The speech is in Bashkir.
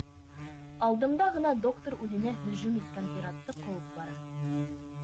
Алдымда ғына доктор үҙенә һөжүм иткән пиратты ҡыуып бара.